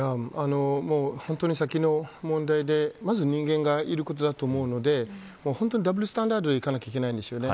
本当に先の問題で、まず人間がいることだと思うんでダブルスタンダードでいかないといけないんですよね。